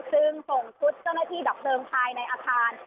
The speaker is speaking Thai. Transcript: ซึ่งส่งชุดเจ้าหน้าที่ดับเพลิงภายในอาคาร